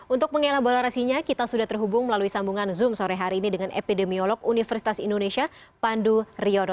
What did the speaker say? untuk mengelaborasinya kita sudah terhubung melalui sambungan zoom sore hari ini dengan epidemiolog universitas indonesia pandu riodo